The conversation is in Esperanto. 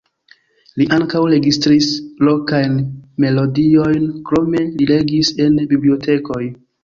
Li ankaŭ registris lokajn melodiojn, krome li legis en bibliotekoj.